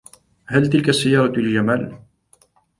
هل تلك السيارة لجمال؟